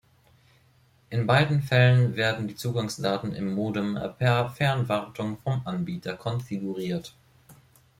In beiden Fällen werden die Zugangsdaten im Modem per Fernwartung vom Anbieter konfiguriert.